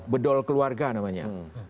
bedol keluarga namanya